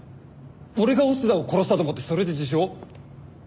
俺が押田を殺したと思ってそれで自首を？